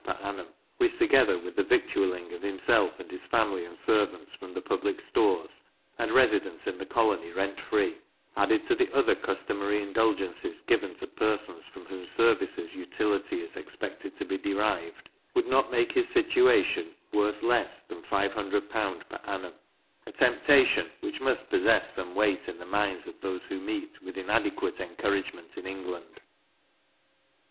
per annum, which, together with the victualling of himself and his family and servants from the public stores, and residence in the colony rent free, added to the other customary indulgences given to persons from whose services utility is expected to be derived, would not make his situation worth less than 500L. per annum, a temptation which must possess some weight in the minds of those who meet with inadequate encouragement in England.